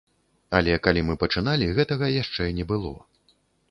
Але калі мы пачыналі, гэтага яшчэ не было.